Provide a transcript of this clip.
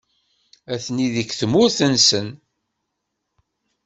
Atni deg tmurt-nsen.